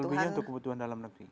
lebihnya untuk kebutuhan dalam negeri